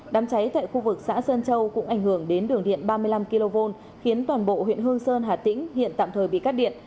đám cháy tại khu vực xã sơn châu cũng ảnh hưởng đến đường điện ba mươi năm kv khiến toàn bộ huyện hương sơn hà tĩnh hiện tạm thời bị cắt điện